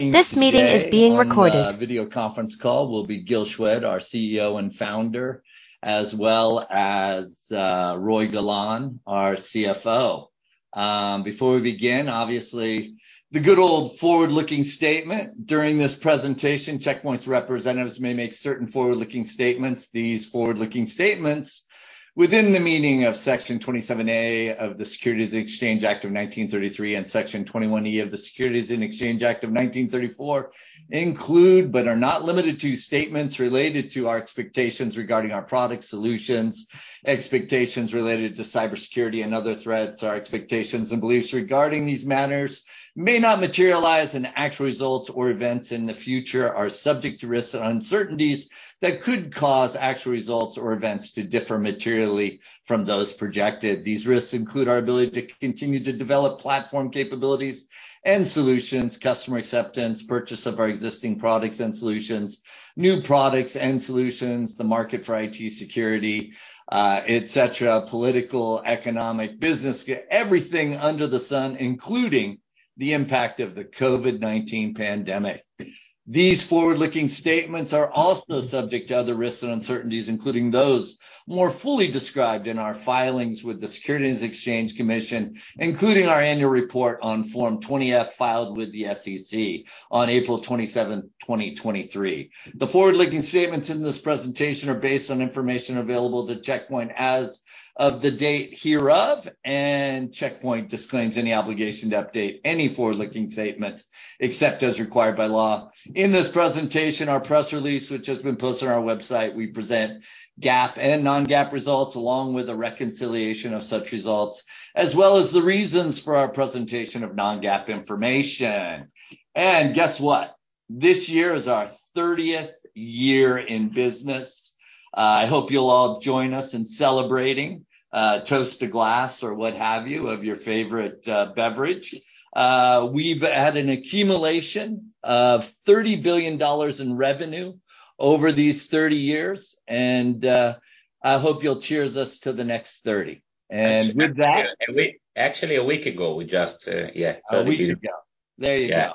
On the video conference call will be Gil Shwed, our CEO and founder, as well as Roei Golan, our CFO. Before we begin, obviously, the good old forward-looking statement. During this presentation, Check Point's representatives may make certain forward-looking statements. These forward-looking statements, within the meaning of Section 27A of the Securities Exchange Act of 1933 and Section 21E of the Securities and Exchange Act of 1934, include, but are not limited to, statements related to our expectations regarding our product solutions, expectations related to cybersecurity and other threats. Our expectations and beliefs regarding these matters may not materialize, and actual results or events in the future are subject to risks and uncertainties that could cause actual results or events to differ materially from those projected. These risks include our ability to continue to develop platform capabilities and solutions, customer acceptance, purchase of our existing products and solutions, new products and solutions, the market for IT security, et cetera, political, economic, business, everything under the sun, including the impact of the COVID-19 pandemic. These forward-looking statements are also subject to other risks and uncertainties, including those more fully described in our filings with the Securities Exchange Commission, including our annual report on Form 20-F, filed with the SEC on April 27th, 2023. The forward-looking statements in this presentation are based on information available to Check Point as of the date hereof. Check Point disclaims any obligation to update any forward-looking statements, except as required by law. In this presentation, our press release, which has been posted on our website, we present GAAP and non-GAAP results, along with a reconciliation of such results, as well as the reasons for our presentation of non-GAAP information. Guess what? This year is our 30th year in business. I hope you'll all join us in celebrating, toast a glass or what have you, of your favorite, beverage. We've had an accumulation of $30 billion in revenue over these 30 years, I hope you'll cheers us to the next 30. With that- Actually, a week ago, we just, Yeah, 30 years. A week ago. There you go.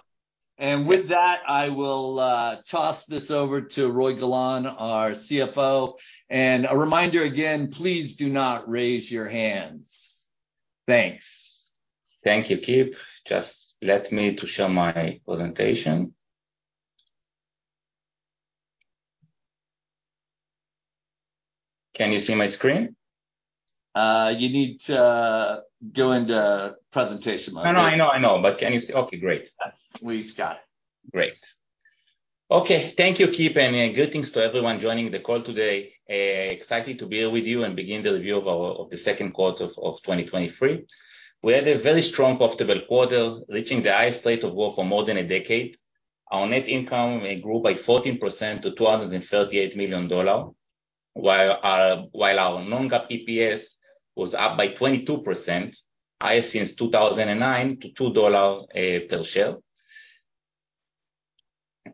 Yeah. With that, I will toss this over to Roei Golan, our CFO. A reminder again, please do not raise your hands. Thanks. Thank you, Kip. Just let me to share my presentation. Can you see my screen? You need to go into presentation mode. I know. Can you see? Okay, great. Yes, we've got it. Great. Okay. Thank you, Kip, greetings to everyone joining the call today. Excited to be here with you and begin the review of the 2Q of 2023. We had a very strong, profitable quarter, reaching the highest rate of growth for more than a decade. Our net income may grow by 14% to $228 million, while our non-GAAP EPS was up by 22%, highest since 2009 to $2 per share.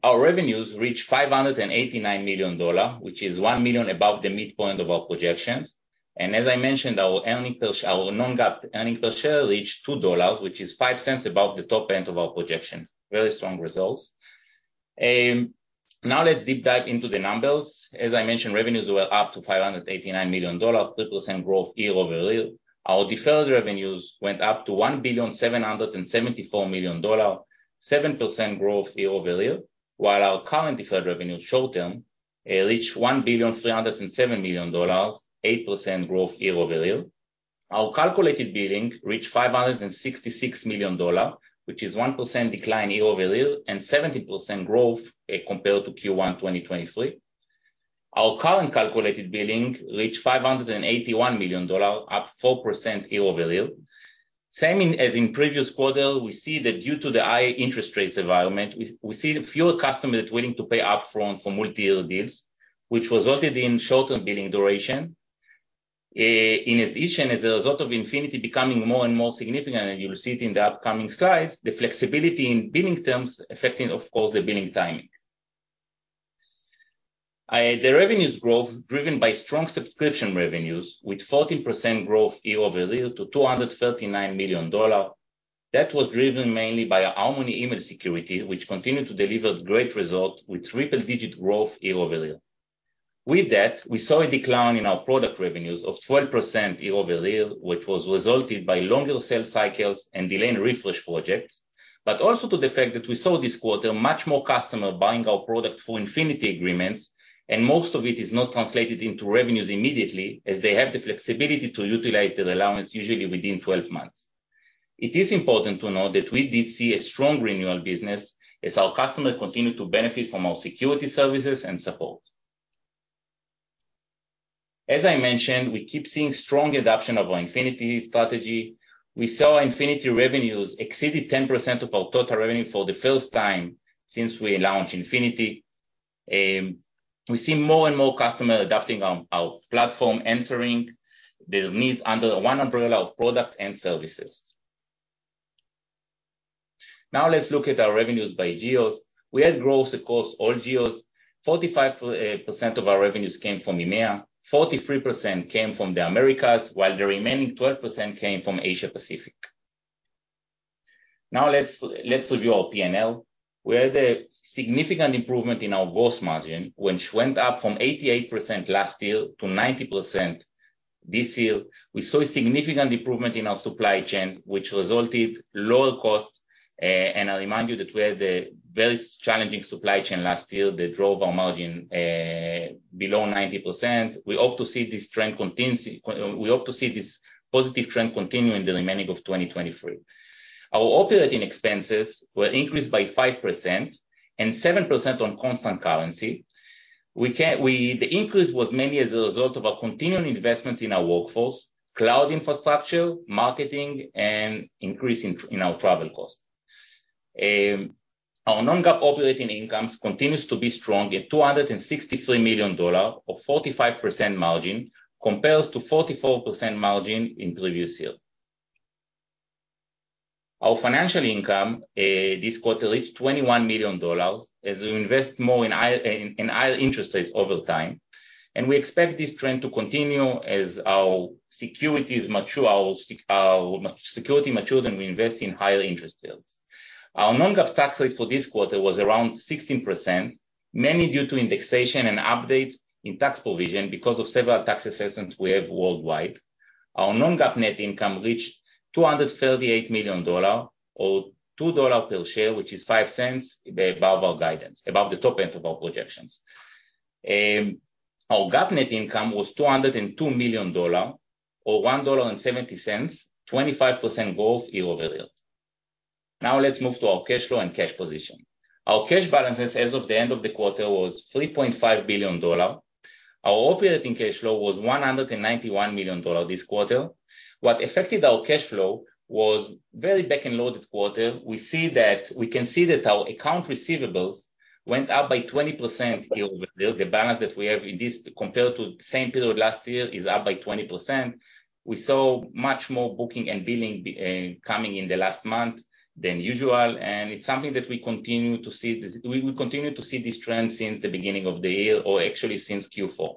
Our revenues reached $589 million, which is $1 million above the midpoint of our projections. As I mentioned, our non-GAAP earning per share reached $2, which is $0.05 above the top end of our projections. Very strong results. Now let's deep dive into the numbers. As I mentioned, revenues were up to $589 million, 3% growth year-over-year. Our deferred revenues went up to $1,774 million, 7% growth year-over-year, while our current deferred revenues short term reached $1,307 million, 8% growth year-over-year. Our calculated billings reached $566 million, which is 1% decline year-over-year, and 17% growth compared to Q1 2023. Our current calculated billings reached $581 million, up 4% year-over-year. As in previous quarter, we see that due to the high interest rates environment, we see fewer customers willing to pay upfront for multi-year deals, which resulted in shorter billing duration. In addition, as a result of Infinity becoming more and more significant, and you'll see it in the upcoming slides, the flexibility in billing terms affecting, of course, the billing timing. The revenues growth driven by strong subscription revenues, with 14% growth year-over-year to $239 million. That was driven mainly by our Harmony email security, which continued to deliver great results with triple-digit growth year-over-year. With that, we saw a decline in our product revenues of 12% year-over-year, which was resulted by longer sales cycles and delayed refresh projects, but also to the fact that we saw this quarter, much more customer buying our product for Infinity agreements, and most of it is not translated into revenues immediately, as they have the flexibility to utilize the allowance usually within 12 months. It is important to note that we did see a strong renewal business as our customers continue to benefit from our security services and support. As I mentioned, we keep seeing strong adoption of our Infinity strategy. We saw Infinity revenues exceeded 10% of our total revenue for the first time since we launched Infinity. We see more and more customers adapting our platform, answering the needs under one umbrella of products and services. Let's look at our revenues by geos. We had growth across all geos. 45% of our revenues came from EMEA, 43% came from the Americas, while the remaining 12% came from Asia Pacific. Let's review our P&L, where the significant improvement in our gross margin, which went up from 88% last year to 90% this year. We saw a significant improvement in our supply chain, which resulted lower costs, I remind you that we had a very challenging supply chain last year that drove our margin below 90%. We hope to see this positive trend continue in the remaining of 2023. Our operating expenses were increased by 5% and 7% on constant currency. The increase was mainly as a result of our continuing investment in our workforce, cloud infrastructure, marketing, and increase in our travel costs. Our non-GAAP operating income continues to be strong at $263 million or 45% margin, compares to 44% margin in the previous year. Our financial income, this quarter reached $21 million as we invest more in higher interest rates over time. We expect this trend to continue as our securities mature, our security mature and we invest in higher interest rates. Our non-GAAP tax rate for this quarter was around 16%, mainly due to indexation and updates in tax provision because of several tax assessments we have worldwide. Our non-GAAP net income reached $238 million or $2 per share, which is $0.05 above our guidance, above the top end of our projections. Our GAAP net income was $202 million or $1.70, 25% growth year-over-year. Now let's move to our cash flow and cash position. Our cash balances as of the end of the quarter was $3.5 billion. Our operating cash flow was $191 million this quarter. What affected our cash flow was very back-ended loaded quarter. We can see that our account receivables went up by 20% year-over-year. The balance that we have in this, compared to the same period last year, is up by 20%. We saw much more booking and billing, coming in the last month than usual, and it's something that we continue to see. We continue to see this trend since the beginning of the year, or actually since Q4.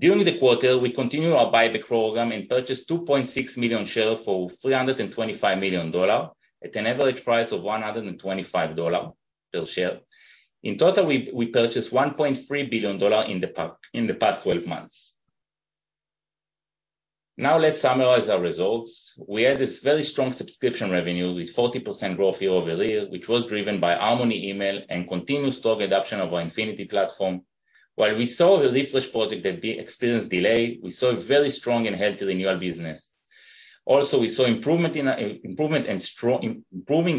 During the quarter, we continued our buyback program and purchased 2.6 million shares for $325 million, at an average price of $125 per share. In total, we purchased $1.3 billion in the past twelve months. Let's summarize our results. We had this very strong subscription revenue with 40% growth year-over-year, which was driven by Harmony Email and continuous strong adoption of our Infinity platform. While we saw the refresh project that experienced delay, we saw a very strong and healthy renewal business. We saw improvement in improving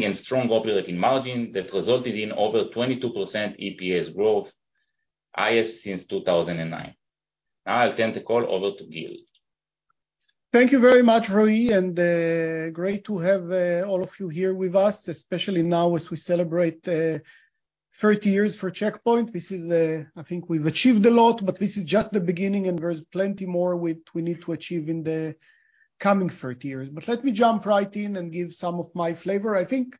and strong operating margin that resulted in over 22% EPS growth, highest since 2009. I'll turn the call over to Gil. Thank you very much, Roei, and great to have all of you here with us, especially now as we celebrate 30 years for Check Point. I think we've achieved a lot, but this is just the beginning, and there's plenty more which we need to achieve in the coming 30 years. Let me jump right in and give some of my flavor. I think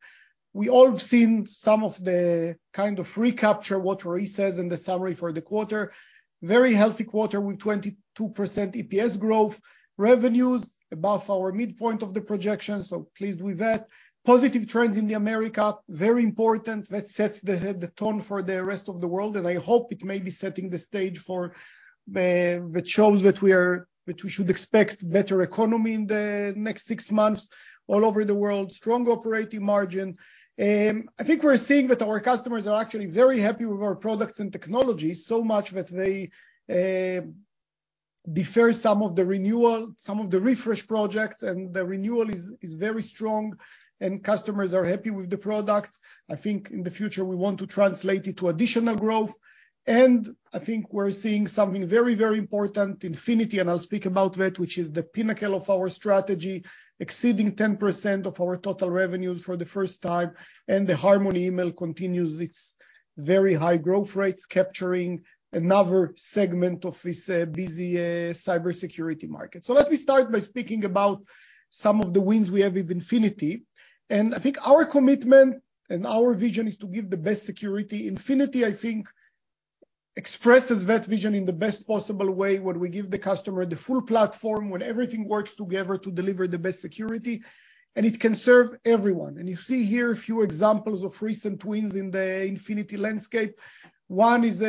we all have seen some of the kind of recapture what Roei says in the summary for the quarter. Very healthy quarter with 22% EPS growth. Revenues above our midpoint of the projection. Pleased with that. Positive trends in the Americas, very important. That sets the tone for the rest of the world, and I hope it may be setting the stage for, which shows that we should expect better economy in the next six months all over the world. Strong operating margin. I think we're seeing that our customers are actually very happy with our products and technology, so much that they defer some of the renewal, some of the refresh projects, and the renewal is very strong, and customers are happy with the products. I think in the future, we want to translate it to additional growth, and I think we're seeing something very, very important, Infinity, and I'll speak about that, which is the pinnacle of our strategy, exceeding 10% of our total revenues for the first time, and the Harmony Email continues its very high growth rates, capturing another segment of this busy cybersecurity market. Let me start by speaking about some of the wins we have with Infinity. I think our commitment and our vision is to give the best security. Infinity, I think, expresses that vision in the best possible way, where we give the customer the full platform, where everything works together to deliver the best security, and it can serve everyone. You see here a few examples of recent wins in the Infinity landscape. One is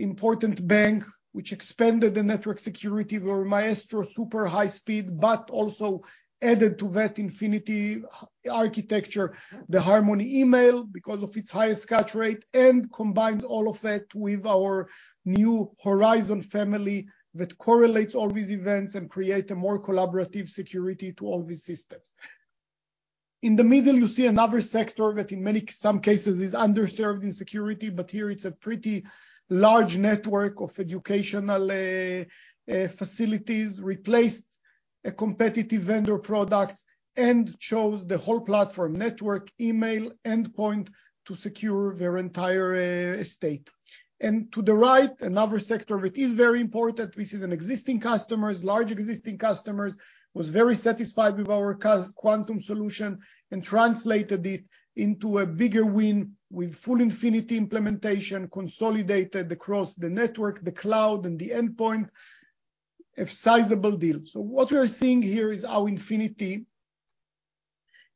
a important bank, which expanded the network security, their Maestro super high speed, but also added to that Infinity architecture, the Harmony Email, because of its highest catch rate, combined all of that with our new Horizon family that correlates all these events and create a more collaborative security to all these systems. In the middle, you see another sector that in many, some cases is underserved in security, but here it's a pretty large network of educational facilities, replaced a competitive vendor product and chose the whole platform, network, email, endpoint, to secure their entire estate. To the right, another sector, which is very important. This is an existing customers, large existing customers, was very satisfied with our Quantum solution and translated it into a bigger win with full Infinity implementation, consolidated across the network, the cloud, and the endpoint. A sizable deal. What we are seeing here is how Infinity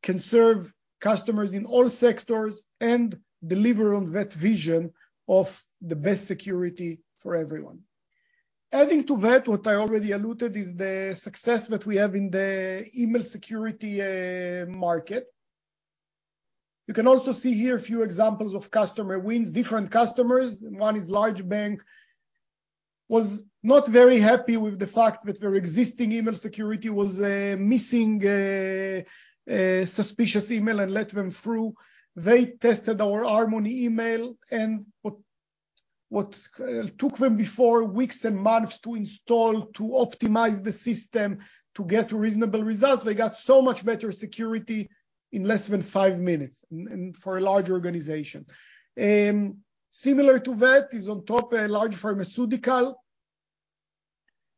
can serve customers in all sectors and deliver on that vision of the best security for everyone. Adding to that, what I already alluded, is the success that we have in the email security market. You can also see here a few examples of customer wins, different customers, and one is large bank, was not very happy with the fact that their existing email security was missing suspicious email and let them through. They tested our Harmony Email and what took them before weeks and months to install, to optimize the system, to get reasonable results, they got so much better security in less than five minutes for a large organization. Similar to that is on top, a large pharmaceutical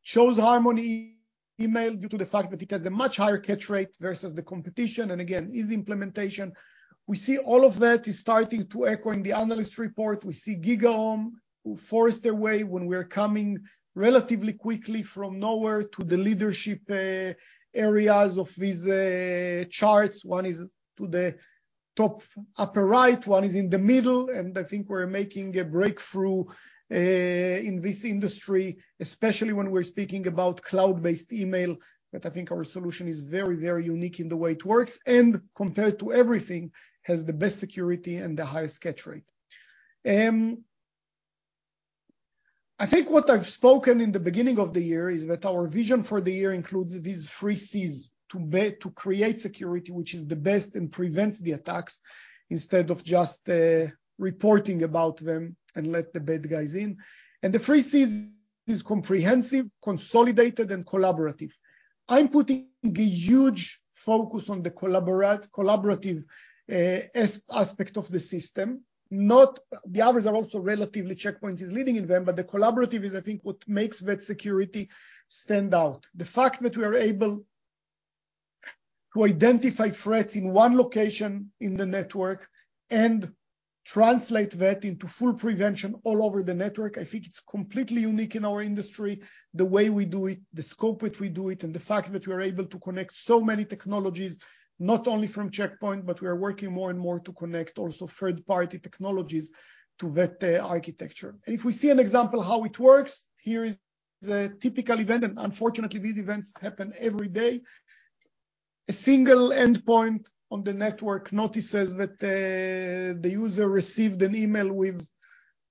chose Harmony Email due to the fact that it has a much higher catch rate versus the competition, again, easy implementation. We see all of that is starting to echo in the analyst report. We see GigaOm, Forrester Wave, when we're coming relatively quickly from nowhere to the leadership areas of these charts. One is to the top upper right, one is in the middle, I think we're making a breakthrough in this industry, especially when we're speaking about cloud-based email, that I think our solution is very, very unique in the way it works, compared to everything, has the best security and the highest catch rate. I think what I've spoken in the beginning of the year is that our vision for the year includes these three Cs: to create security, which is the best and prevents the attacks, instead of just reporting about them and let the bad guys in. The three Cs is comprehensive, consolidated, and collaborative. I'm putting a huge focus on the collaborative aspect of the system. The others are also relatively Check Point is leading in them, but the collaborative is, I think, what makes that security stand out. The fact that we are able to identify threats in one location in the network and translate that into full prevention all over the network, I think it's completely unique in our industry, the way we do it, the scope that we do it, and the fact that we are able to connect so many technologies, not only from Check Point, but we are working more and more to connect also third-party technologies to that architecture. If we see an example how it works, here is a typical event, and unfortunately, these events happen every day. A single endpoint on the network notices that the user received an email with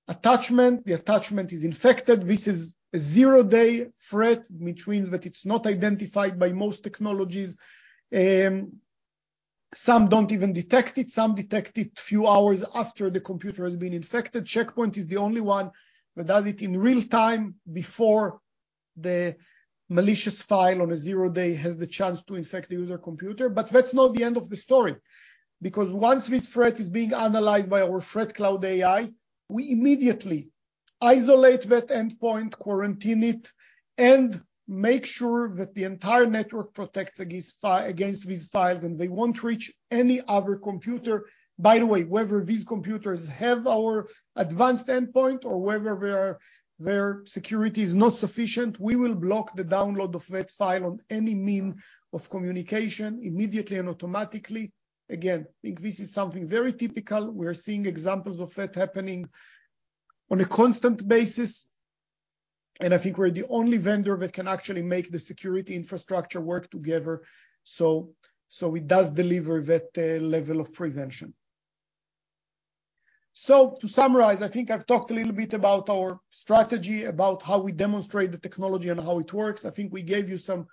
attachment. The attachment is infected. This is a zero-day threat, which means that it's not identified by most technologies. Some don't even detect it, some detect it few hours after the computer has been infected. Check Point is the only one that does it in real time, before the malicious file on a zero-day has the chance to infect the user computer. That's not the end of the story, because once this threat is being analyzed by our ThreatCloud AI, we immediately isolate that endpoint, quarantine it, and make sure that the entire network protects against these files, and they won't reach any other computer. Whether these computers have our advanced endpoint or whether their security is not sufficient, we will block the download of that file on any means of communication, immediately and automatically. Again, I think this is something very typical. We are seeing examples of that happening on a constant basis, I think we're the only vendor that can actually make the security infrastructure work together, so it does deliver that level of prevention. To summarize, I think I've talked a little bit about our strategy, about how we demonstrate the technology and how it works. I think we gave you some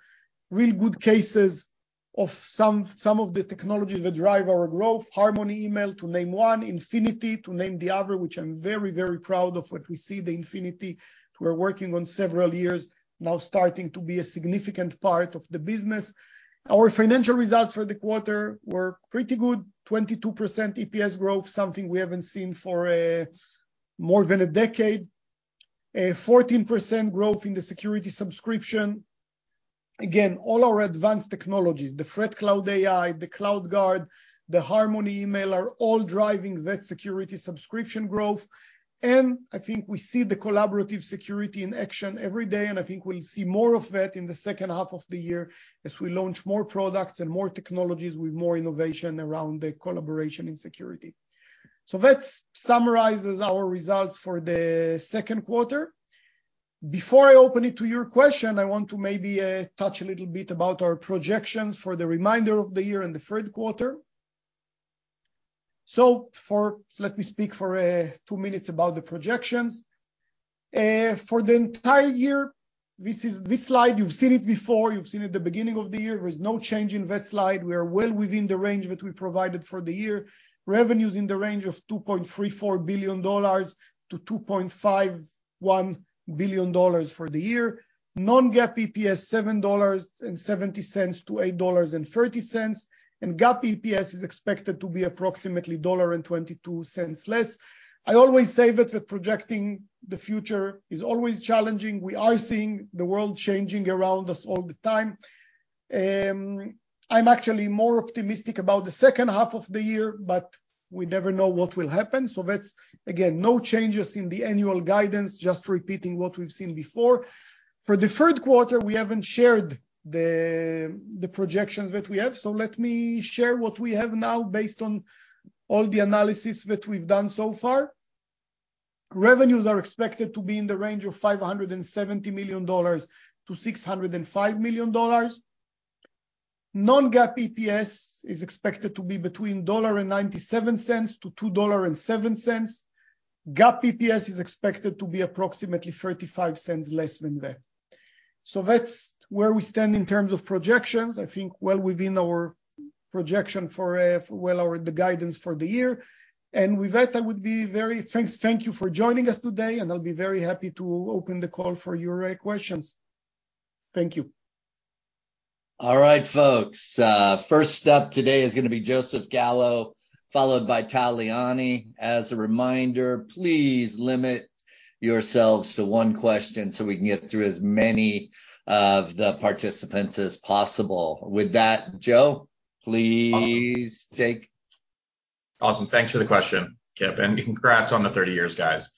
really good cases of some of the technologies that drive our growth, Harmony Email, to name one, Infinity, to name the other, which I'm very, very proud of what we see, the Infinity. We're working on several years now, starting to be a significant part of the business. Our financial results for the quarter were pretty good, 22% EPS growth, something we haven't seen for more than a decade. A 14% growth in the security subscription. All our advanced technologies, the ThreatCloud AI, the CloudGuard, the Harmony Email, are all driving that security subscription growth. I think we see the collaborative security in action every day, and I think we'll see more of that in the second half of the year as we launch more products and more technologies with more innovation around the collaboration in security. That summarizes our results for the 2Q. Before I open it to your question, I want to maybe touch a little bit about our projections for the remainder of the year and the third quarter. Let me speak for two minutes about the projections. For the entire year, this slide, you've seen it before. You've seen it at the beginning of the year. There is no change in that slide. We are well within the range that we provided for the year. Revenues in the range of $2.34 billion-$2.51 billion for the year. Non-GAAP EPS, $7.70-$8.30, and GAAP EPS is expected to be approximately $1.22 less. I always say that the projecting the future is always challenging. We are seeing the world changing around us all the time. I'm actually more optimistic about the second half of the year, but we never know what will happen. That's, again, no changes in the annual guidance, just repeating what we've seen before. For the third quarter, we haven't shared the projections that we have, let me share what we have now based on all the analysis that we've done so far. Revenues are expected to be in the range of $570 million to $605 million. Non-GAAP EPS is expected to be between $1.97 to $2.07. GAAP EPS is expected to be approximately $0.35 less than that. That's where we stand in terms of projections. I think well within our projection for, well, the guidance for the year. With that, thank you for joining us today, and I'll be very happy to open the call for your questions. Thank you. All right, folks, first up today is gonna be Joseph Gallo, followed by Tal Liani. As a reminder, please limit yourselves to one question so we can get through as many of the participants as possible. With that, Joe, please take. Awesome. Thanks for the question, Kip, and congrats on the 30 years, guys.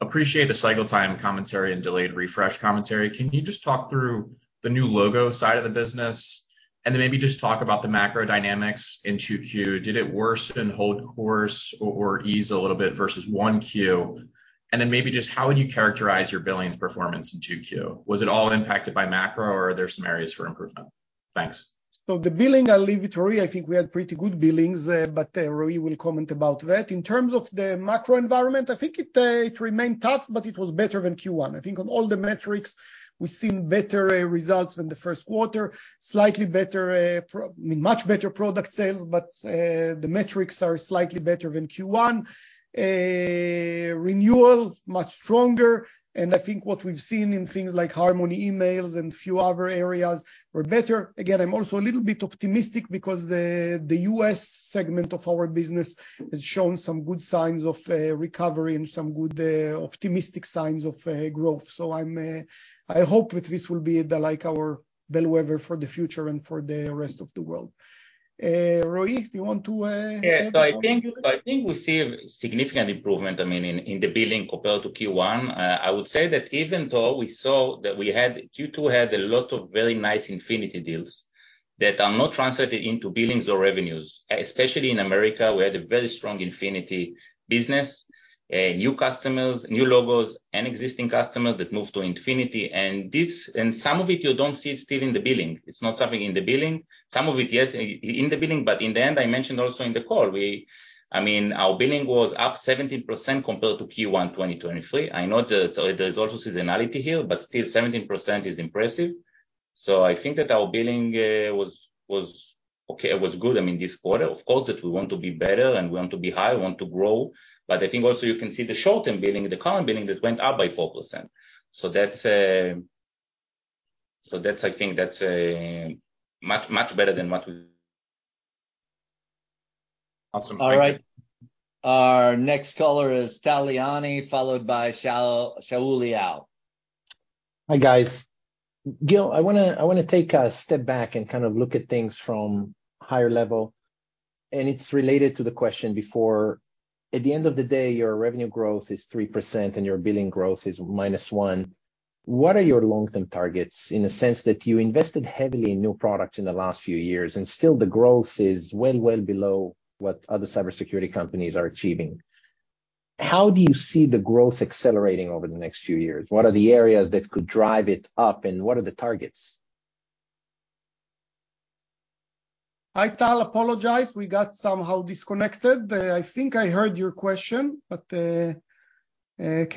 Appreciate the cycle time commentary and delayed refresh commentary. Can you just talk through the new logo side of the business, maybe just talk about the macro dynamics in Q2? Did it worsen hold course or ease a little bit versus 1Q? Maybe just how would you characterize your billings performance in 2Q? Was it all impacted by macro, or are there some areas for improvement? Thanks. The billing, I'll leave it to Roei. I think we had pretty good billings, Roei will comment about that. In terms of the macro environment, I think it remained tough, but it was better than Q1. I think on all the metrics, we've seen better results than the first quarter. Slightly better, I mean, much better product sales, the metrics are slightly better than Q1. Renewal, much stronger, and I think what we've seen in things like Harmony Email and a few other areas were better. Again, I'm also a little bit optimistic because the US segment of our business has shown some good signs of recovery and some good optimistic signs of growth. I'm, I hope that this will be the, like, our bellwether for the future and for the rest of the world. Roei, do you want to? Yeah. I think, I mean, we see a significant improvement in the billing compared to Q1. I would say that even though we saw that Q2 had a lot of very nice Infinity deals that are not translated into billings or revenues, especially in America, we had a very strong Infinity business, new customers, new logos, and existing customers that moved to Infinity. This, and some of it you don't see it still in the billing. It's not something in the billing. Some of it, yes, in the billing, in the end, I mentioned also in the call, I mean, our billing was up 17% compared to Q1, 2023. I know that there's also seasonality here, still, 17% is impressive. I think that our billing was okay. It was good, I mean, this quarter. Of course, that we want to be better and we want to be high, we want to grow, but I think also you can see the short-term billing, the current billing, that went up by 4%. That's, I think that's much better than what. Awesome. All right. Our next caller is Tal Liani, followed by Shaul Eyal. Hi, guys. Gil, I wanna take a step back and kind of look at things from higher level, and it's related to the question before. At the end of the day, your revenue growth is 3% and your billing growth is -1%. What are your long-term targets in the sense that you invested heavily in new products in the last few years, and still the growth is well below what other cybersecurity companies are achieving? How do you see the growth accelerating over the next few years? What are the areas that could drive it up, and what are the targets? Hi, Tal. Apologize, we got somehow disconnected. I think I heard your question, but can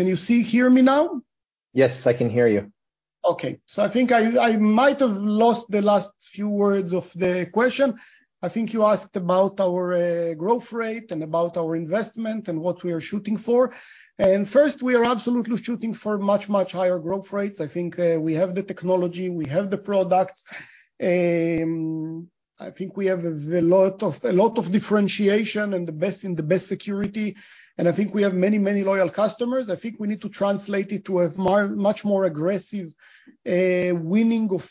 you see, hear me now? Yes, I can hear you. Okay. I think I might have lost the last few words of the question. I think you asked about our growth rate and about our investment and what we are shooting for. First, we are absolutely shooting for much, much higher growth rates. I think we have the technology, we have the products. I think we have a lot of differentiation and the best in the best security, and I think we have many, many loyal customers. I think we need to translate it to a much more aggressive winning of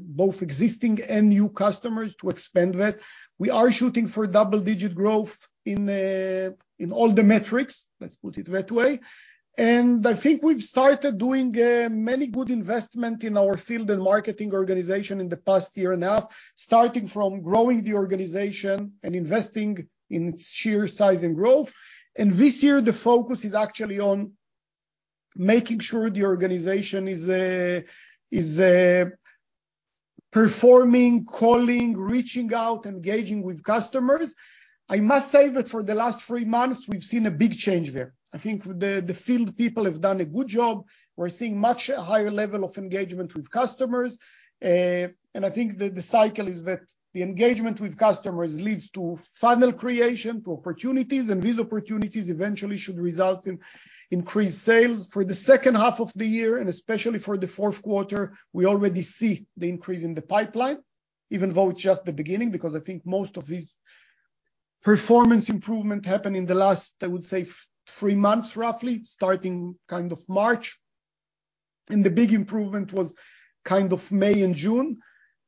both existing and new customers to expand that. We are shooting for double-digit growth in all the metrics, let's put it that way. I think we've started doing many good investment in our field and marketing organization in the past year and a half, starting from growing the organization and investing in its sheer size and growth. This year, the focus is actually on making sure the organization is performing, calling, reaching out, engaging with customers. I must say that for the last three months, we've seen a big change there. I think the field people have done a good job. We're seeing much higher level of engagement with customers, and I think the cycle is that the engagement with customers leads to funnel creation, to opportunities, and these opportunities eventually should result in increased sales. For the second half of the year, and especially for the fourth quarter, we already see the increase in the pipeline, even though it's just the beginning, because I think most of performance improvement happened in the last, I would say, three months, roughly, starting kind of March, and the big improvement was kind of May and June.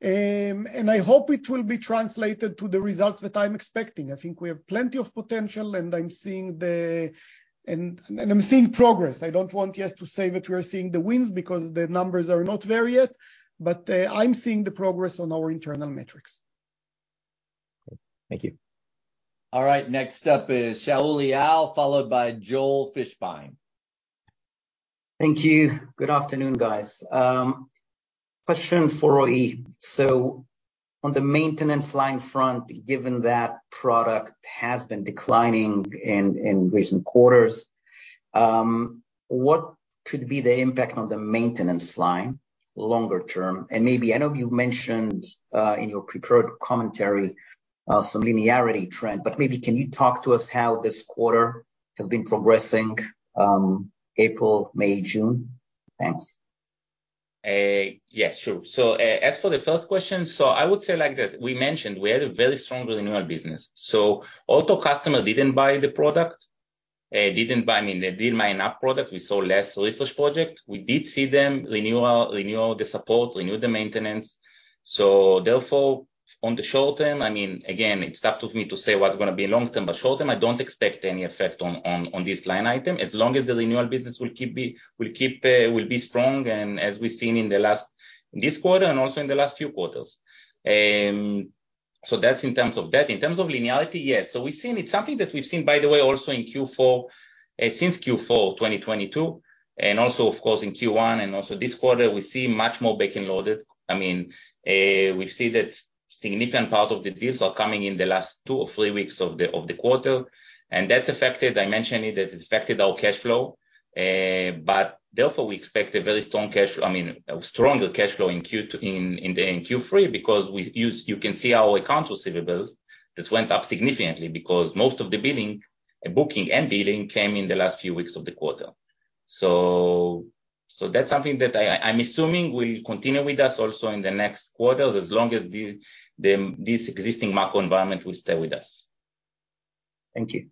I hope it will be translated to the results that I'm expecting. I think we have plenty of potential, and I'm seeing progress. I don't want yet to say that we are seeing the wins because the numbers are not there yet, but I'm seeing the progress on our internal metrics. Thank you. All right, next up is Shaul Eyal, followed by Joel Fishbein. Thank you. Good afternoon, guys. Question for Roei. So on the maintenance line front, given that product has been declining in recent quarters, what could be the impact on the maintenance line longer term? Maybe I know you mentioned in your prepared commentary, some linearity trend, but maybe can you talk to us how this quarter has been progressing, April, May, June? Thanks. Yes, sure. As for the first question, I would say like that. We mentioned we had a very strong renewal business. Our customer didn't buy the product, I mean, they didn't buy enough product. We saw less refresh project. We did see them renewal, renew the support, renew the maintenance. Therefore, on the short term, I mean, again, it's tough for me to say what's gonna be long term, but short term, I don't expect any effect on this line item, as long as the renewal business will keep, will be strong, and as we've seen in the last this quarter and also in the last few quarters. That's in terms of that. In terms of linearity, yes. We've seen it's something that we've seen, by the way, also in Q4, since Q4, 2022, and also, of course, in Q1 and also this quarter, we see much more back and loaded. I mean, we've seen that significant part of the deals are coming in the last 2 or 3 weeks of the quarter, and that's affected, I mentioned it, that affected our cash flow. Therefore, we expect a very strong cash, I mean, a stronger cash flow in Q2, in Q3, because you can see our accounts receivables that went up significantly because most of the billing, booking and billing came in the last few weeks of the quarter. That's something that I'm assuming will continue with us also in the next quarters, as long as this existing macro environment will stay with us. Thank you.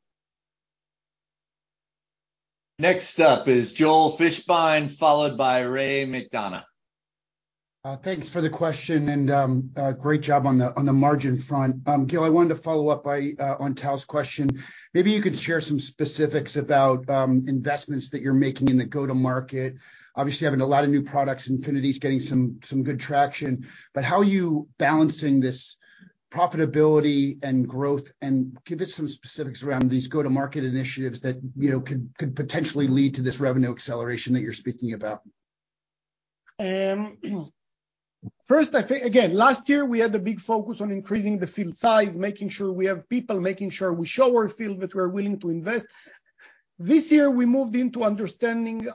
Next up is Joel Fishbein, followed by Ray McDonough. Thanks for the question, and great job on the, on the margin front. Gil, I wanted to follow up by on Tal's question. Maybe you could share some specifics about investments that you're making in the go-to-market. Obviously, having a lot of new products, Infinity is getting some good traction, but how are you balancing this profitability and growth? Give us some specifics around these go-to-market initiatives that, you know, could potentially lead to this revenue acceleration that you're speaking about. First, I think, again, last year we had a big focus on increasing the field size, making sure we have people, making sure we show our field that we're willing to invest. This year, we moved into understanding,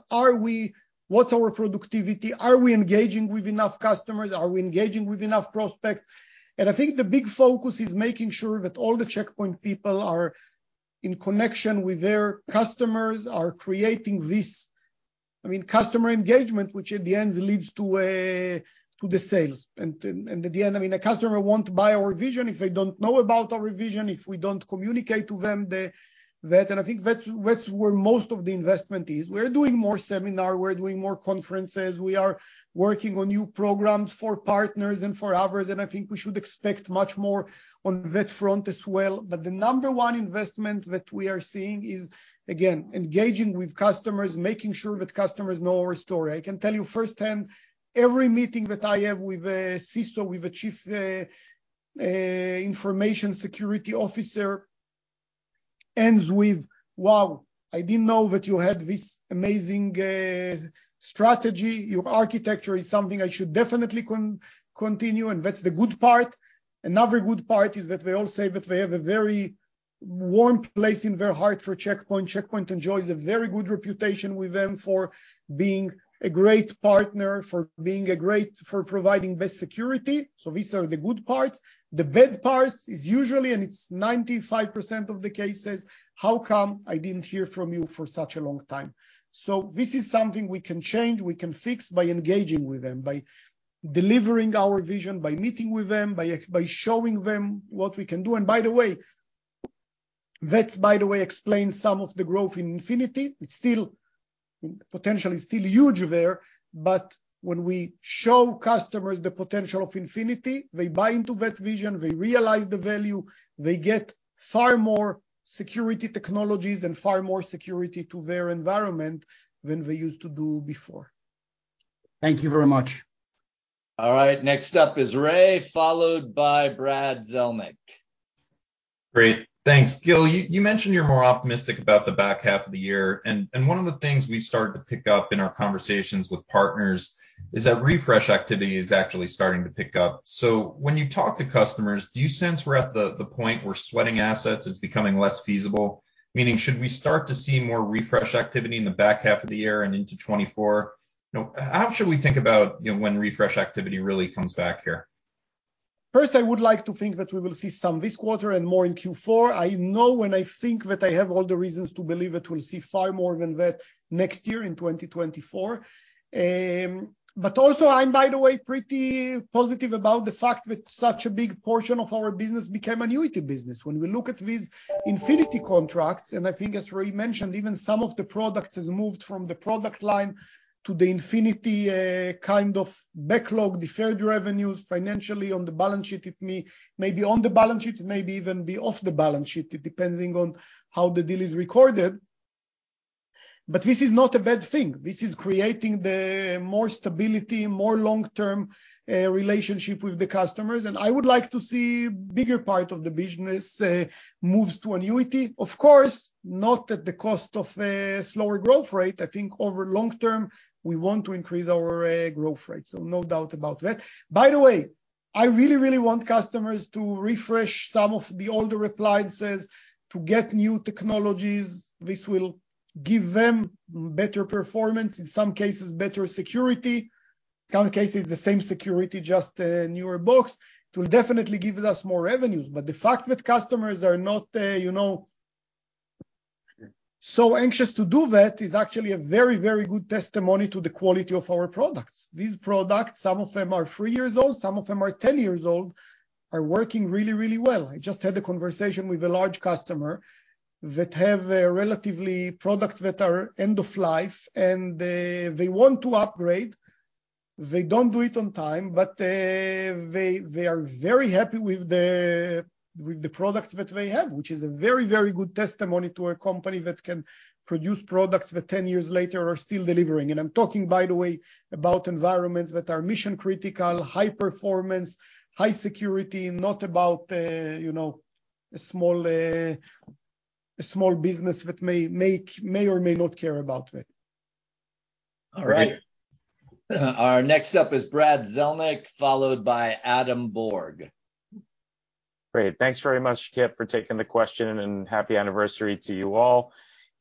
what's our productivity? Are we engaging with enough customers? Are we engaging with enough prospects? I think the big focus is making sure that all the Check Point people are in connection with their customers, are creating this, I mean, customer engagement, which at the end leads to the sales. At the end, I mean, a customer won't buy our vision if they don't know about our vision, if we don't communicate to them that, I think that's where most of the investment is. We're doing more seminar, we're doing more conferences, we are working on new programs for partners and for others. I think we should expect much more on that front as well. The number one investment that we are seeing is, again, engaging with customers, making sure that customers know our story. I can tell you firsthand, every meeting that I have with a CISO, with a chief information security officer, ends with, "Wow, I didn't know that you had this amazing strategy. Your architecture is something I should definitely continue." That's the good part. Another good part is that they all say that they have a very warm place in their heart for Check Point. Check Point enjoys a very good reputation with them for being a great partner, for being a great for providing best security. These are the good parts. The bad parts is usually, and it's 95% of the cases, "How come I didn't hear from you for such a long time?" This is something we can change, we can fix by engaging with them, by delivering our vision, by meeting with them, by showing them what we can do. By the way, explains some of the growth in Infinity. It's still, potentially still huge there, but when we show customers the potential of Infinity, they buy into that vision, they realize the value, they get far more security technologies and far more security to their environment than they used to do before. Thank you very much. All right, next up is Ray, followed by Brad Zelnick. Great. Thanks, Gil. You mentioned you're more optimistic about the back half of the year, and one of the things we've started to pick up in our conversations with partners is that refresh activity is actually starting to pick up. When you talk to customers, do you sense we're at the point where sweating assets is becoming less feasible? Meaning, should we start to see more refresh activity in the back half of the year and into 2024? You know, how should we think about, you know, when refresh activity really comes back here? First, I would like to think that we will see some this quarter and more in Q4. I know, and I think that I have all the reasons to believe that we'll see far more than that next year in 2024. Also I'm, by the way, pretty positive about the fact that such a big portion of our business became annuity business. When we look at these Infinity contracts, and I think as Ray mentioned, even some of the products has moved from the product line to the Infinity, kind of backlog, deferred revenues, financially on the balance sheet, it may be on the balance sheet, it may even be off the balance sheet, it depending on how the deal is recorded. This is not a bad thing. This is creating the more stability, more long-term relationship with the customers, and I would like to see bigger part of the business moves to annuity. Of course, not at the cost of slower growth rate. I think over long term, we want to increase our growth rate, so no doubt about that. By the way, I really want customers to refresh some of the older appliances to get new technologies. This will give them better performance, in some cases, better security, in some cases, the same security, just a newer box. It will definitely give us more revenues. The fact that customers are not, you know, so anxious to do that is actually a very good testimony to the quality of our products. These products, some of them are 3 years old, some of them are 10 years old, are working really, really well. I just had a conversation with a large customer that have a relatively products that are end of life, and they want to upgrade. They don't do it on time, they are very happy with the, with the products that they have, which is a very, very good testimony to a company that can produce products that 10 years later are still delivering. I'm talking, by the way, about environments that are mission-critical, high performance, high security, not about, you know, a small business that may or may not care about it. All right. Our next up is Brad Zelnick, followed by Adam Borg. Great. Thanks very much, Kip, for taking the question, and happy anniversary to you all.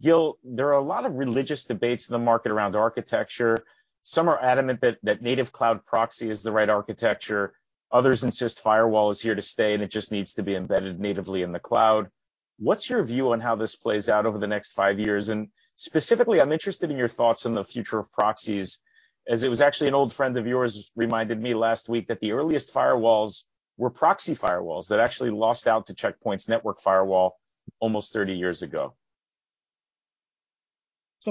Gil, there are a lot of religious debates in the market around architecture. Some are adamant that native cloud proxy is the right architecture, others insist firewall is here to stay, and it just needs to be embedded natively in the cloud. What's your view on how this plays out over the next five years? Specifically, I'm interested in your thoughts on the future of proxies, as it was actually an old friend of yours reminded me last week that the earliest firewalls were proxy firewalls that actually lost out to Check Point's network firewall almost 30 years ago.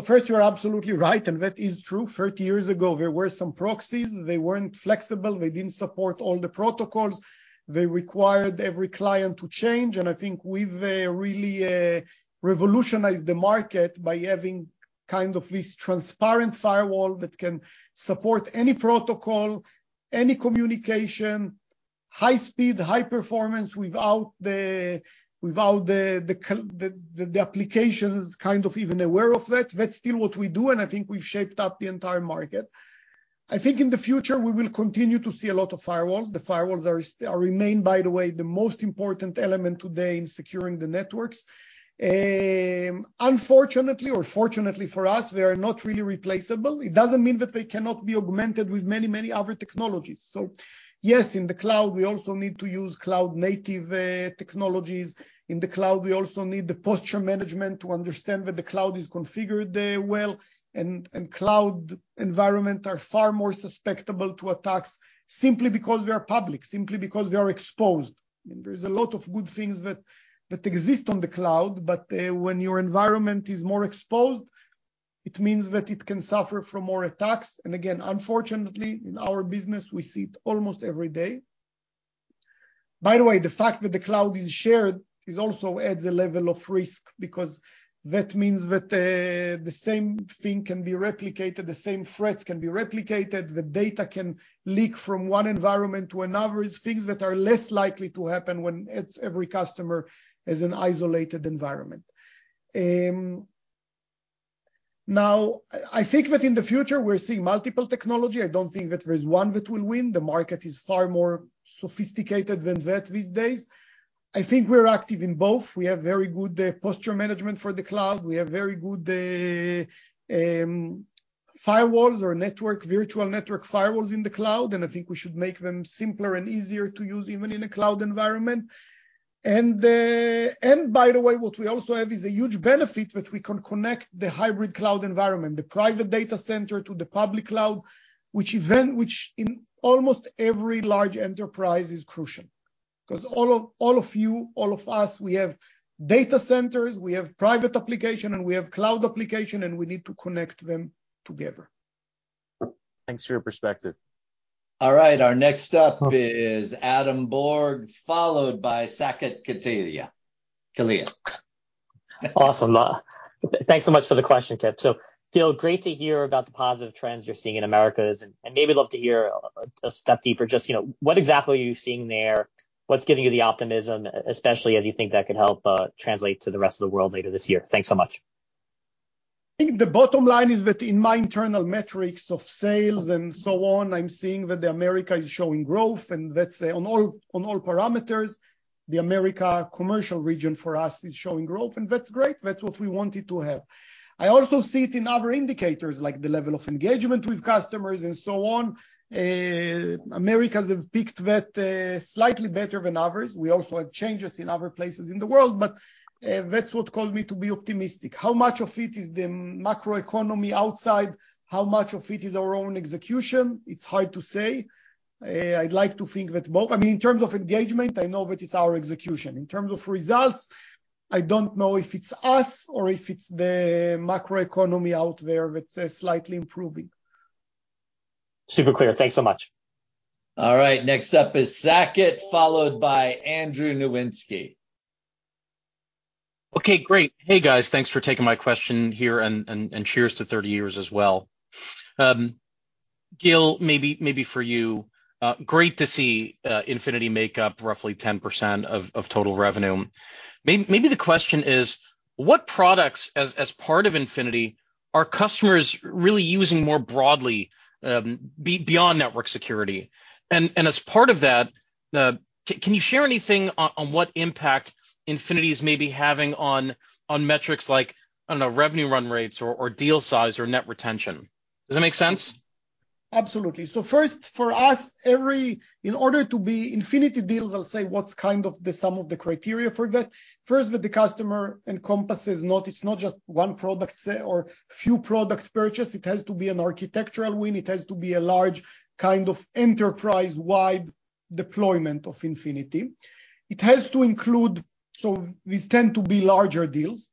First, you're absolutely right, and that is true. 30 years ago, there were some proxies. They weren't flexible, they didn't support all the protocols, they required every client to change, I think we've really revolutionized the market by having kind of this transparent firewall that can support any protocol, any communication, high speed, high performance, without the application is kind of even aware of that. That's still what we do, I think we've shaped up the entire market. In the future, we will continue to see a lot of firewalls. The firewalls remain, by the way, the most important element today in securing the networks. Unfortunately or fortunately for us, they are not really replaceable. It doesn't mean that they cannot be augmented with many, many other technologies. Yes, in the cloud, we also need to use cloud-native technologies. In the cloud, we also need the posture management to understand that the cloud is configured well, and cloud environment are far more susceptible to attacks simply because they are public, simply because they are exposed. There's a lot of good things that exist on the cloud, but when your environment is more exposed, it means that it can suffer from more attacks, and again, unfortunately, in our business, we see it almost every day. The fact that the cloud is shared is also adds a level of risk, because that means that the same thing can be replicated, the same threats can be replicated, the data can leak from one environment to another. It's things that are less likely to happen when it's every customer is an isolated environment. Now, I think that in the future, we're seeing multiple technology. I don't think that there's one that will win. The market is far more sophisticated than that these days. I think we're active in both. We have very good posture management for the cloud. We have very good firewalls or network, virtual network firewalls in the cloud, and I think we should make them simpler and easier to use even in a cloud environment. By the way, what we also have is a huge benefit that we can connect the hybrid cloud environment, the private data center to the public cloud, which in almost every large enterprise is crucial. 'Cause all of you, all of us, we have data centers, we have private application, and we have cloud application, and we need to connect them together. Thanks for your perspective. All right, our next up is Adam Borg, followed by Saket Kalia. Awesome. Thanks so much for the question, Kip. Gil, great to hear about the positive trends you're seeing in Americas, and maybe love to hear a step deeper, just, you know, what exactly are you seeing there? What's giving you the optimism, especially as you think that could help translate to the rest of the world later this year? Thanks so much. I think the bottom line is that in my internal metrics of sales and so on, I'm seeing that the America is showing growth, and that's on all parameters, the America commercial region for us is showing growth, and that's great. That's what we wanted to have. I also see it in other indicators, like the level of engagement with customers and so on, Americas have picked that slightly better than others. We also have changes in other places in the world, but that's what caused me to be optimistic. How much of it is the macroeconomy outside? How much of it is our own execution? It's hard to say. I'd like to think that both I mean, in terms of engagement, I know that it's our execution. In terms of results, I don't know if it's us or if it's the macroeconomy out there that's slightly improving. Super clear. Thanks so much. All right, next up is Saket, followed by Andrew Nowinski. Okay, great. Hey, guys. Thanks for taking my question here. Cheers to 30 years as well. Gil, maybe for you, great to see Infinity make up roughly 10% of total revenue. Maybe the question is, what products as part of Infinity, are customers really using more broadly, beyond network security? As part of that, can you share anything on what impact Infinity is maybe having on metrics like, I don't know, revenue run rates or deal size or net retention? Does that make sense? Absolutely. First, for us, in order to be Infinity deals, I'll say what's kind of the some of the criteria for that. First, with the customer encompasses not, it's not just one product or few products purchased, it has to be an architectural win, it has to be a large kind of enterprise-wide deployment of Infinity. It has to include, so these tend to be larger deals.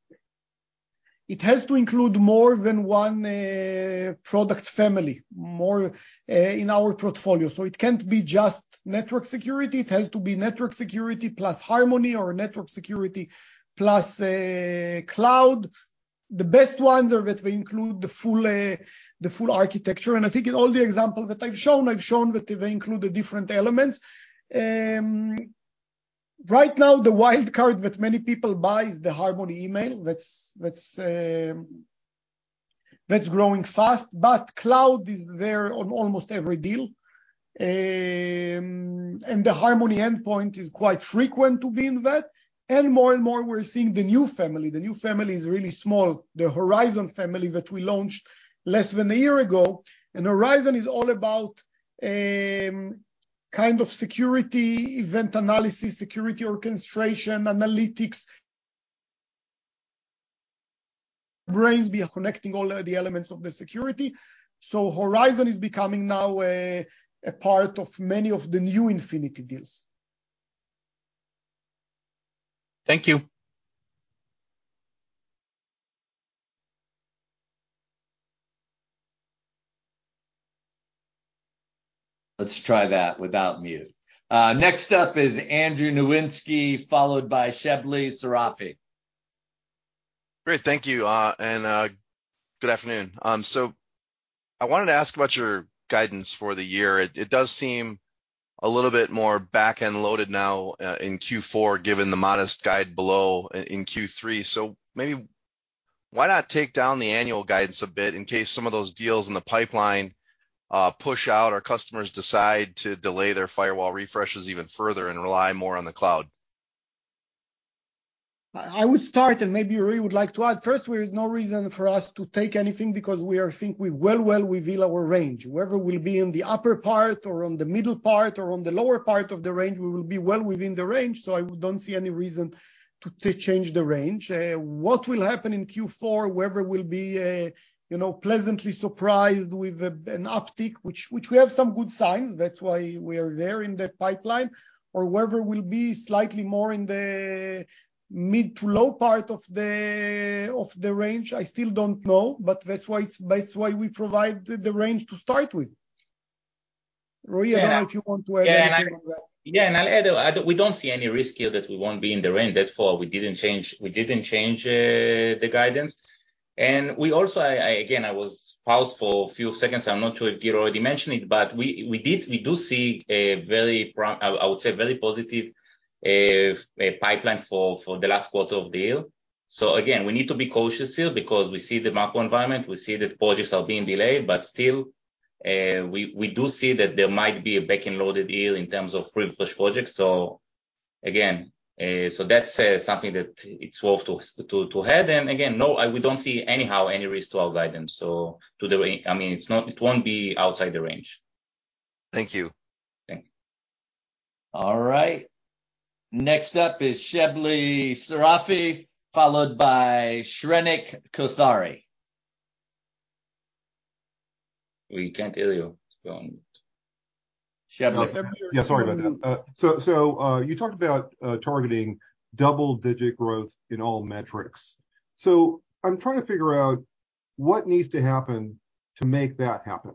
It has to include more than one product family, more in our portfolio, so it can't be just network security, it has to be network security plus Harmony or network security plus cloud. The best ones are that they include the full, the full architecture, and I think in all the examples that I've shown, I've shown that they include the different elements. Right now, the wild card that many people buy is the Harmony Email. That's growing fast, but cloud is there on almost every deal. The Harmony Endpoint is quite frequent to be in that, and more and more we're seeing the new family. The new family is really small, the Horizon family that we launched less than a year ago, and Horizon is all about, kind of security, event analysis, security orchestration, analytics. Brains be connecting all the elements of the security. Horizon is becoming now a part of many of the new Infinity deals. Thank you. Let's try that without mute. Next up is Andrew Nowinski, followed by Shebly Seyrafi. Great, thank you, and good afternoon. I wanted to ask about your guidance for the year. It, it does seem a little bit more back-end loaded now in Q4, given the modest guide below in Q3. Maybe why not take down the annual guidance a bit in case some of those deals in the pipeline push out or customers decide to delay their firewall refreshes even further and rely more on the cloud? I would start, and maybe Roei would like to add. First, there is no reason for us to take anything because we think we're well within our range. Whether we'll be in the upper part or on the middle part or on the lower part of the range, we will be well within the range, so I don't see any reason to change the range. What will happen in Q4, whether we'll be, you know, pleasantly surprised with an uptick, which we have some good signs, that's why we are there in that pipeline, or whether we'll be slightly more in the mid to low part of the range, I still don't know, but that's why it's, that's why we provide the range to start with. Roei, I don't know if you want to add anything on that. I'll add, we don't see any risk here that we won't be in the range. We didn't change the guidance. We also, again, I was paused for a few seconds, so I'm not sure if Gil already mentioned it, but we do see a very positive pipeline for the last quarter of the year. Again, we need to be cautious here because we see the macro environment, we see that projects are being delayed, but still, we do see that there might be a back-end loaded year in terms of refresh projects. That's something that it's worth to add. Again, no, we don't see anyhow any risk to our guidance, I mean, it's not, it won't be outside the range. Thank you. Thank you. All right. Next up is Shebly Seyrafi, followed by Shrenik Kothari. We can't hear you. Go on. Shebly. Yeah, sorry about that. You talked about targeting double-digit growth in all metrics. I'm trying to figure out what needs to happen to make that happen.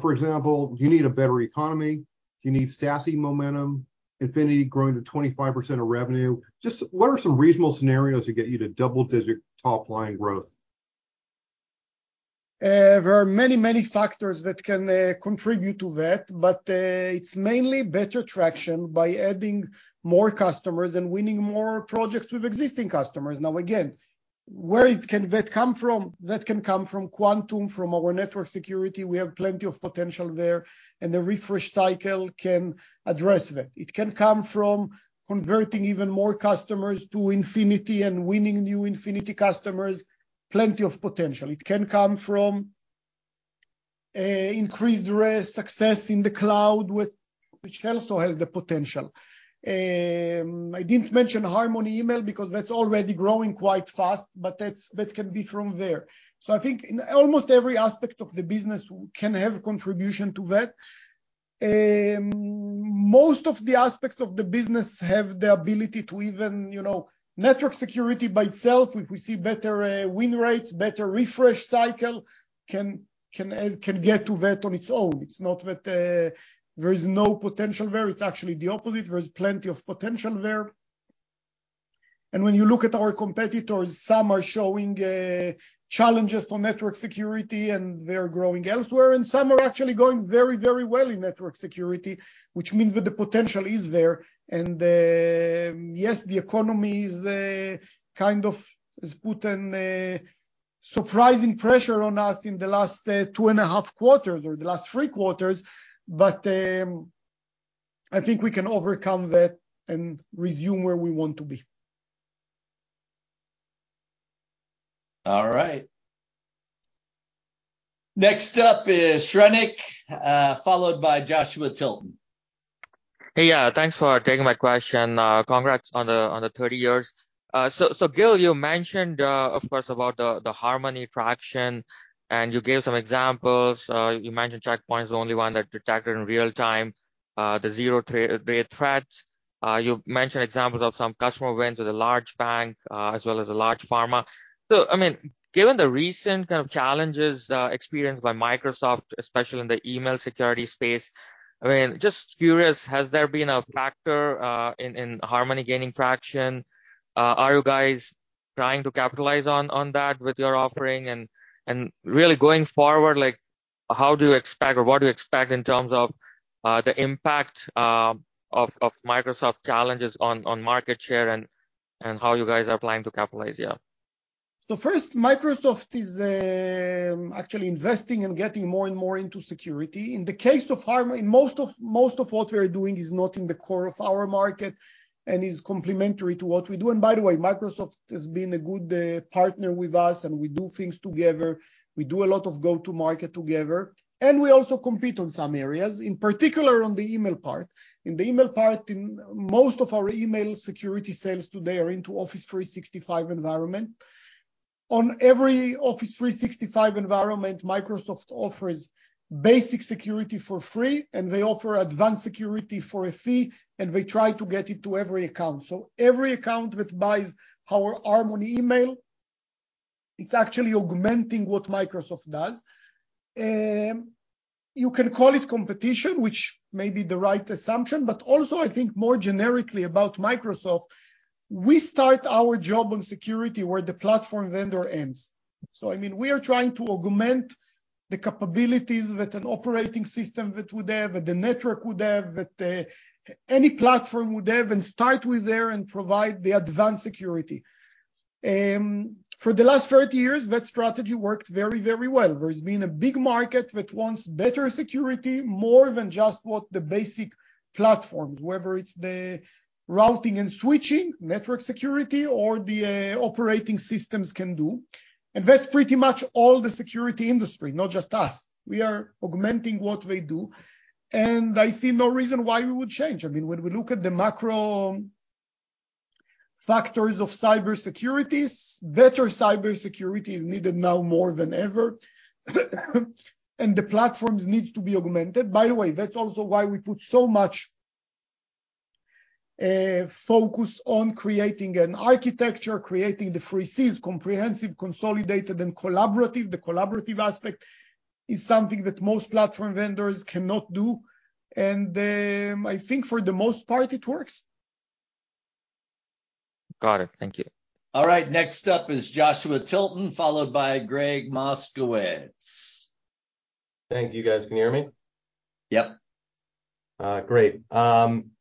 For example, do you need a better economy? Do you need SASE momentum, Infinity growing to 25% of revenue? Just what are some reasonable scenarios to get you to double digit top-line growth? There are many, many factors that can contribute to that, but it's mainly better traction by adding more customers and winning more projects with existing customers. Now, again, where it can, that come from? That can come from Quantum, from our network security. We have plenty of potential there, and the refresh cycle can address that. It can come from converting even more customers to Infinity and winning new Infinity customers, plenty of potential. It can come from increased risk success in the cloud, with, which also has the potential. I didn't mention Harmony Email because that's already growing quite fast, but that's, that can be from there. I think in almost every aspect of the business can have contribution to that. Most of the aspects of the business have the ability to even, you know, network security by itself, if we see better, win rates, better refresh cycle, can get to that on its own. It's not that, there is no potential there, it's actually the opposite. There is plenty of potential there. When you look at our competitors, some are showing challenges for network security, and they're growing elsewhere, and some are actually going very, very well in network security, which means that the potential is there. Yes, the economy is kind of has put an surprising pressure on us in the last two and a half quarters or the last three quarters, I think we can overcome that and resume where we want to be. All right. Next up is Shrenik followed by Joshua Tilton. Hey, yeah, thanks for taking my question. Congrats on the 30 years. Gil, you mentioned, of course, about the Harmony traction, and you gave some examples. You mentioned Check Point is the only one that detected in real time the zero-day threat. You mentioned examples of some customer wins with a large bank, as well as a large pharma. I mean, given the recent kind of challenges experienced by Microsoft, especially in the email security space, I mean, just curious, has there been a factor in Harmony gaining traction? Are you guys trying to capitalize on that with your offering? Really going forward, like, how do you expect or what do you expect in terms of the impact of Microsoft challenges on market share and how you guys are planning to capitalize? Yeah. First, Microsoft is actually investing and getting more and more into security. In the case of Harmony, most of what we're doing is not in the core of our market and is complementary to what we do. By the way, Microsoft has been a good partner with us, and we do things together. We do a lot of go-to-market together, and we also compete on some areas, in particular on the email part. In the email part, most of our email security sales today are into Office 365 environment. On every Office 365 environment, Microsoft offers basic security for free, and they offer advanced security for a fee, and they try to get it to every account. Every account that buys our Harmony Email, it's actually augmenting what Microsoft does. You can call it competition, which may be the right assumption, but also I think more generically about Microsoft, we start our job on security where the platform vendor ends. I mean, we are trying to augment the capabilities that an operating system would have, that the network would have, that any platform would have, and start with there and provide the advanced security. For the last 30 years, that strategy worked very, very well. There's been a big market that wants better security, more than just what the basic platforms, whether it's the routing and switching, network security, or the operating systems can do, and that's pretty much all the security industry, not just us. We are augmenting what they do, and I see no reason why we would change. I mean, when we look at the macro factors of cybersecurity, better cybersecurity is needed now more than ever. The platforms need to be augmented. By the way, that's also why we put so much focus on creating an architecture, creating the three Cs, Comprehensive, Consolidated, and Collaborative. The collaborative aspect is something that most platform vendors cannot do. I think for the most part, it works. Got it. Thank you. All right, next up is Joshua Tilton, followed by Gregg Moskowitz. Thank you. Guys, can you hear me? Yep. Great.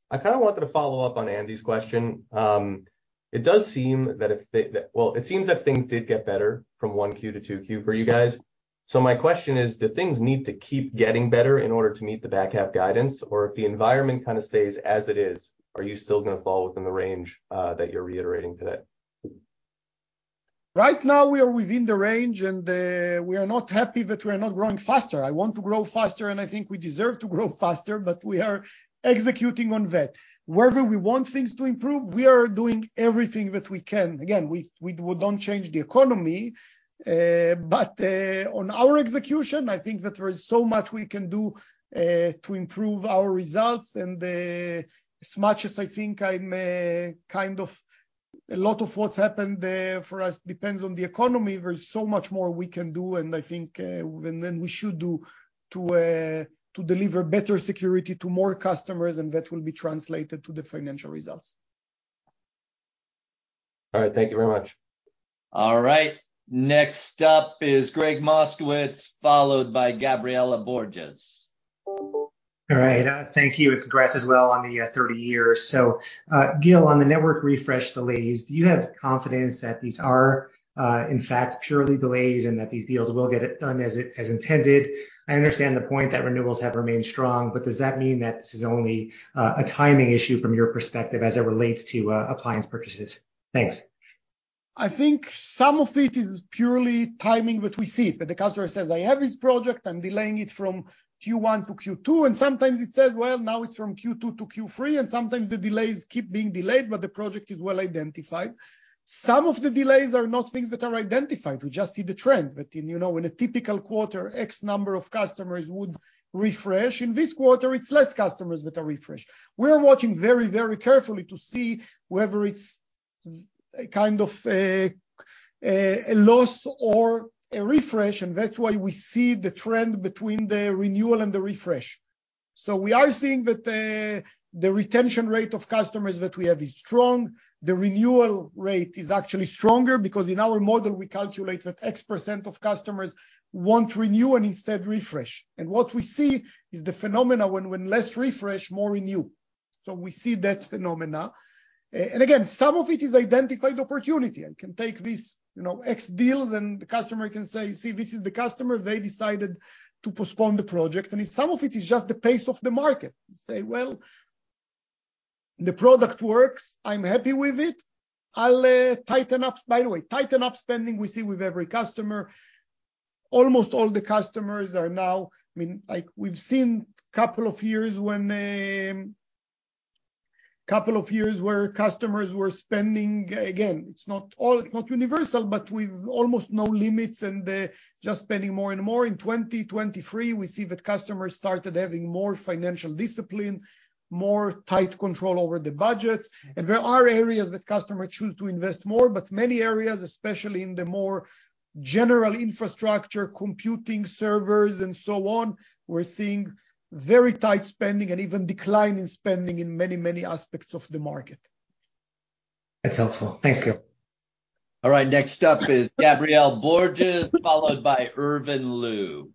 I kind of wanted to follow up on Andy's question. Well, it seems that things did get better from 1Q to 2Q for you guys. My question is, do things need to keep getting better in order to meet the back half guidance? If the environment kind of stays as it is, are you still gonna fall within the range that you're reiterating today? Right now, we are within the range, and we are not happy that we are not growing faster. I want to grow faster, and I think we deserve to grow faster. We are executing on that. Wherever we want things to improve, we are doing everything that we can. Again, we don't change the economy, but on our execution, I think that there is so much we can do to improve our results. As much as I think I'm kind of a lot of what's happened, for us, depends on the economy, there's so much more we can do, and I think, and then we should do to deliver better security to more customers, and that will be translated to the financial results. All right. Thank you very much. All right, next up is Gregg Moskowitz, followed by Gabriela Borges. All right, thank you, and congrats as well on the 30 years. Gil, on the network refresh delays, do you have confidence that these are, in fact, purely delays and that these deals will get it done as intended? I understand the point that renewals have remained strong, but does that mean that this is only a timing issue from your perspective as it relates to appliance purchases? Thanks.... I think some of it is purely timing, but we see it. When the customer says, "I have this project, I'm delaying it from Q1 to Q2," and sometimes it says, "Well, now it's from Q2 to Q3," and sometimes the delays keep being delayed, but the project is well-identified. Some of the delays are not things that are identified. We just see the trend. In, you know, in a typical quarter, X number of customers would refresh. In this quarter, it's less customers that are refreshed. We're watching very, very carefully to see whether it's a kind of a loss or a refresh, and that's why we see the trend between the renewal and the refresh. We are seeing that the retention rate of customers that we have is strong. The renewal rate is actually stronger because in our model, we calculate that X% of customers won't renew and instead refresh. What we see is the phenomena when less refresh, more renew. We see that phenomena. Again, some of it is identified opportunity. I can take this, you know, X deals. The customer can say, "See, this is the customer, they decided to postpone the project." Some of it is just the pace of the market. Say, "Well, the product works, I'm happy with it. I'll tighten up spending." By the way, tighten up spending, we see with every customer. Almost all the customers are now... I mean, like, we've seen couple of years when, couple of years where customers were spending, again, it's not universal, but with almost no limits. They're just spending more and more. In 2023, we see that customers started having more financial discipline, more tight control over the budgets. There are areas that customers choose to invest more. Many areas, especially in the more general infrastructure, computing, servers, and so on, we're seeing very tight spending and even decline in spending in many, many aspects of the market. That's helpful. Thanks, Gil. All right, next up is Gabriela Borges, followed by Irvin Liu.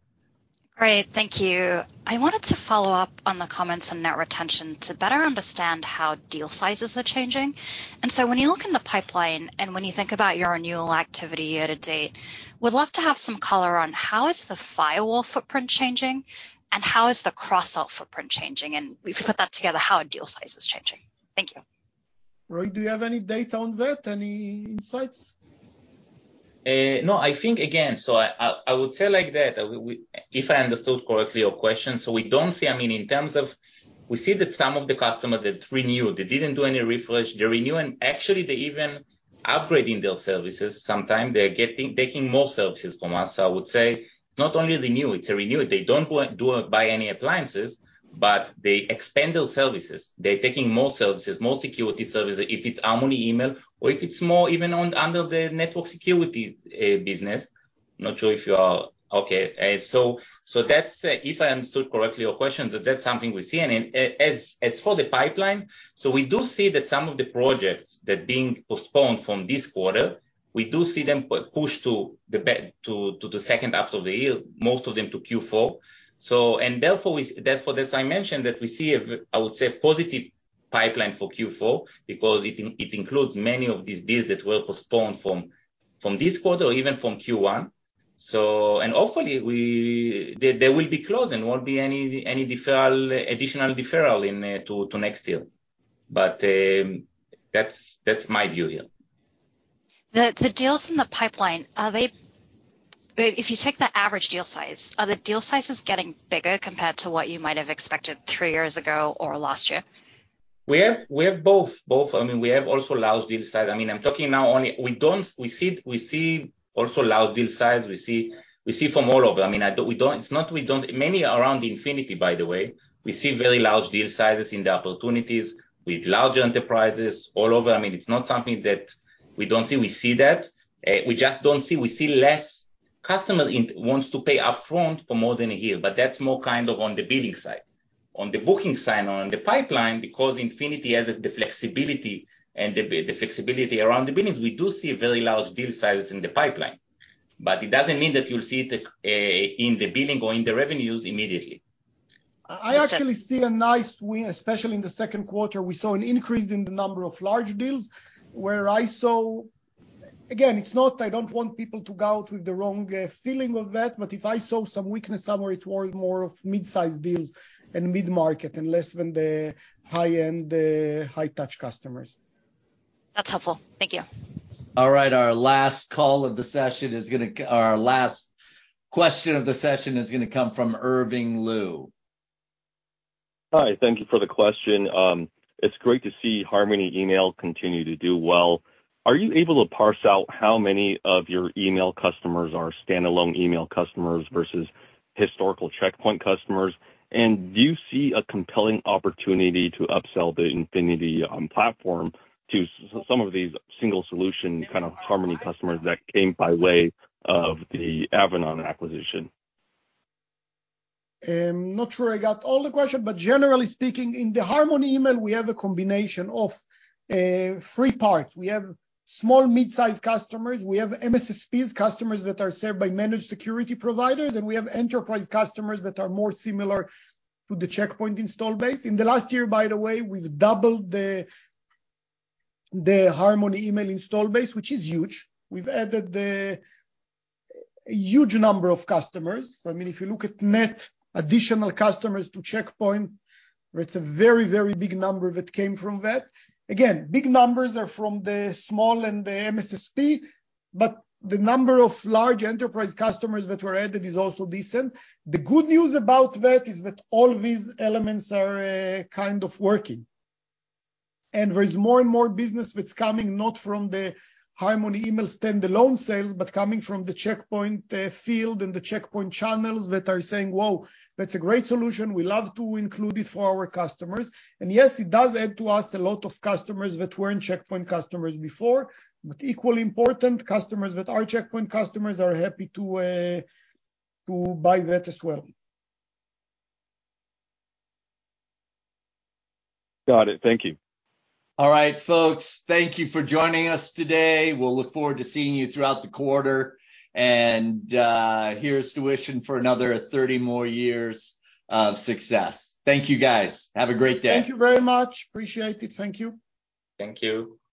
Great, thank you. I wanted to follow up on the comments on net retention to better understand how deal sizes are changing. When you look in the pipeline and when you think about your renewal activity year to date, would love to have some color on how is the firewall footprint changing, and how is the cross-sell footprint changing? If you put that together, how are deal sizes changing? Thank you. Roei, do you have any data on that, any insights? No, I think, again, I would say like that. If I understood correctly your question, we don't see, I mean, we see that some of the customers that renew, they didn't do any refresh, they renew, and actually they even upgrading their services. Sometimes they're taking more services from us. I would say it's not only the new, it's a renew. They don't go and buy any appliances, but they expand their services. They're taking more services, more security services, if it's Harmony Email, or if it's more even under the network security business. Not sure if you are okay. That's if I understood correctly your question, that's something we're seeing. As for the pipeline, we do see that some of the projects that are being postponed from this quarter, we do see them pushed to the back, to the second half of the year, most of them to Q4. As I mentioned, that we see a, I would say, a positive pipeline for Q4 because it includes many of these deals that were postponed from this quarter or even from Q1. Hopefully, they will be closed, and won't be any deferral, additional deferral in to next year. That's my view here. The deals in the pipeline, if you take the average deal size, are the deal sizes getting bigger compared to what you might have expected three years ago or last year? We have both. I mean, we have also large deal size. I mean, I'm talking now only. We see also large deal size. We see from all over. I mean, it's not we don't, many are around Infinity, by the way. We see very large deal sizes in the opportunities with larger enterprises all over. I mean, it's not something that we don't see. We see that. We just don't see. We see less customers in, wants to pay upfront for more than a year, but that's more kind of on the billing side. On the booking side, on the pipeline, because Infinity has the flexibility and the flexibility around the business, we do see very large deal sizes in the pipeline, but it doesn't mean that you'll see the in the billing or in the revenues immediately. I actually see a nice win, especially in the 2Q. We saw an increase in the number of large deals. Again, it's not, I don't want people to go out with the wrong feeling of that, but if I saw some weakness somewhere, it was more of mid-sized deals and mid-market and less than the high-end, high-touch customers. That's helpful. Thank you. All right, our last call of the session is gonna or our last question of the session is gonna come from Irvin Liu. Hi, thank you for the question. It's great to see Harmony Email continue to do well. Are you able to parse out how many of your email customers are standalone email customers versus historical Check Point customers? Do you see a compelling opportunity to upsell the Infinity platform to some of these single solution kind of Harmony customers that came by way of the Avanan acquisition? Not sure I got all the question, generally speaking, in the Harmony Email, we have a combination of 3 parts. We have small, mid-sized customers, we have MSSPs, customers that are served by managed security providers, and we have enterprise customers that are more similar to the Check Point install base. In the last year, by the way, we've doubled the Harmony Email install base, which is huge. We've added a huge number of customers. I mean, if you look at net additional customers to Check Point, it's a very, very big number that came from that. Again, big numbers are from the small and the MSSP, but the number of large enterprise customers that were added is also decent. The good news about that is that all these elements are kind of working. There is more and more business that's coming not from the Harmony Email standalone sales, but coming from the Check Point field and the Check Point channels that are saying: "Whoa, that's a great solution. We love to include it for our customers." Yes, it does add to us a lot of customers that weren't Check Point customers before, but equally important, customers that are Check Point customers are happy to buy that as well. Got it. Thank you. All right, folks, thank you for joining us today. We'll look forward to seeing you throughout the quarter, and here's to wishing for another 30 more years of success. Thank you, guys. Have a great day. Thank you very much. Appreciate it. Thank you. Thank you.